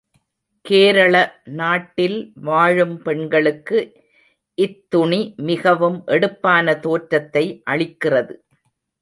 கேரள நாட்டில் வாழும் பெண்களுக்கு இத்துணி மிகவும் எடுப்பான தோற்றத்தை அளிக்கிறது.